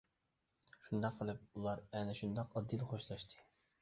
شۇنداق قىلىپ ئۇلار ئەنە شۇنداق ئاددىيلا خوشلاشتى.